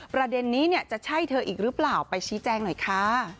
ประเด็นนี้จะใช่เธออีกหรือเปล่าไปชี้แจงหน่อยค่ะ